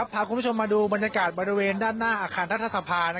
พาคุณผู้ชมมาดูบรรยากาศบริเวณด้านหน้าอาคารรัฐสภา